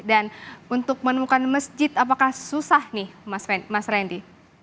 dan untuk menemukan masjid apakah susah nih mas randy